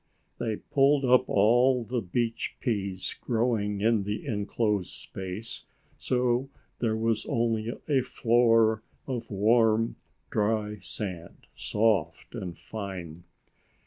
They pulled up all the beach peas growing in the enclosed space, so there was only a floor of warm dry sand, soft and fine.